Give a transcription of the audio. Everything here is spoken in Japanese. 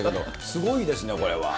すごいですね、これは。